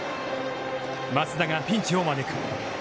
増田が再びピンチを招く。